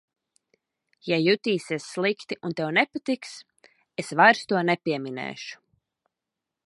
Ja jutīsies slikti un tev nepatiks, es vairs to nepieminēšu.